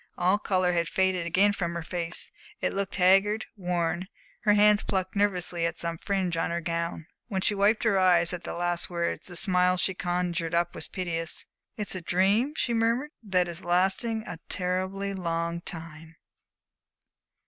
All color had faded again from her face; it looked haggard, worn; her hands plucked nervously at some fringe on her gown. When she wiped her eyes at the last words, the smile she conjured up was piteous. "It's a dream," she murmured, "that is lasting a terribly long time."